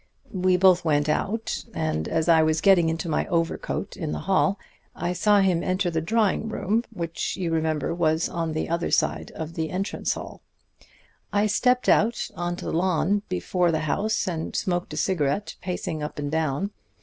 We both went out, and as I was getting into my overcoat in the hall I saw him enter the drawing room, which, you remember, was on the other side of the entrance hall. "I stepped out onto the lawn before the house and smoked a cigarette, pacing up and down.